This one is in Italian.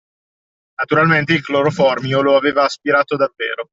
Naturalmente: il cloroformio lo aveva aspirato davvero.